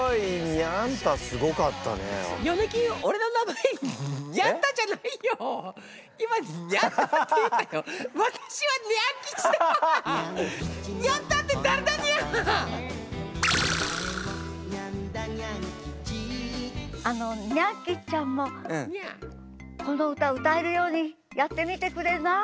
ヨネキンあのニャン吉ちゃんもこの歌歌えるようにやってみてくれない？